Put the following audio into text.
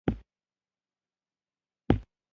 بیا ټوټې شوي لرګي د تیزابي موادو په واسطه تجزیه کوي.